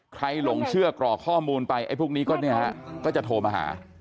ใครหลงเชื่อกรอกข้อมูลไปไอ้พวกนี้ก็จะโทรมาหา